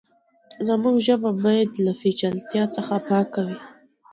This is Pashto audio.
زموږ ژبه بايد له پېچلتيا څخه پاکه وي.